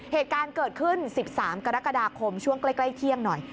เหตุการณ์เกิดขึ้น๑๓กรกฎาคมช่วงใกล้เที่ยงหน่อย